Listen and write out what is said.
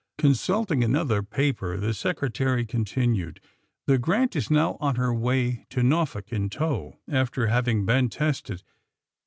Consulting another paper the Secretary con tinued : ^^The * Grant' is now on her way to Norfolk, in tow, after having been tested.